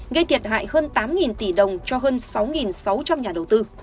gây thiệt hại hơn tám tỷ đồng cho hơn sáu sáu trăm linh nhà đầu tư